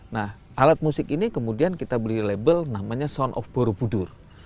nah alat musik ini kemudian kita beli label namanya sound of borobudur